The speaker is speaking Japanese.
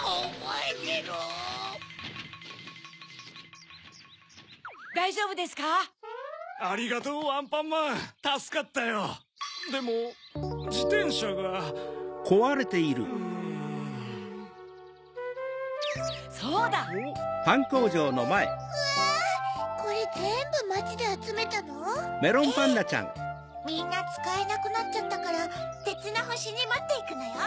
ええみんなつかえなくなっちゃったからてつのほしにもっていくのよ。